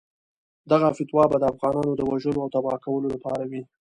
دغه فتوا به د افغانانو د وژلو او تباه کولو لپاره وي.